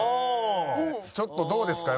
ちょっとどうですか？